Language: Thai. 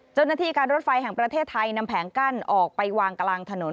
เจ้าหน้าที่การรถไฟแห่งประเทศไทยนำแผงกั้นออกไปวางกลางถนน